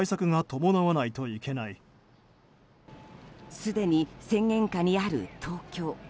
すでに宣言下にある東京。